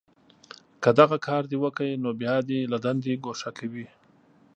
که دغه کار دې وکړ، نو بیا دې له دندې گوښه کوي